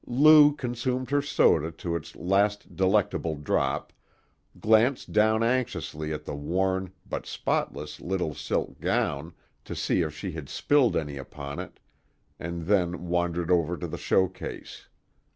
Lou consumed her soda to its last delectable drop, glanced down anxiously at the worn, but spotless, little silk gown to see if she had spilled any upon it, and then wandered over to the showcase.